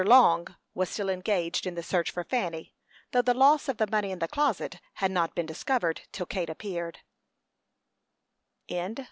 Long was still engaged in the search for Fanny, though the loss of the money in the closet had not been discovered till Kate appeared.